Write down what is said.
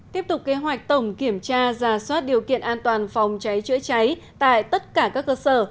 tiếp tục kế hoạch tổng kiểm tra giả soát điều kiện an toàn phòng cháy chữa cháy tại tất cả các cơ sở